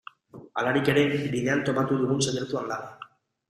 Halarik ere, bidean topatu dugun sekretu andana.